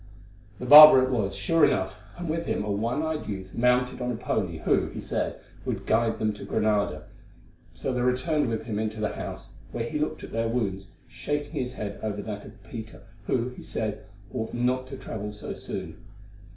The barber it was, sure enough, and with him a one eyed youth mounted on a pony, who, he said, would guide them to Granada. So they returned with him into the house, where he looked at their wounds, shaking his head over that of Peter, who, he said, ought not to travel so soon.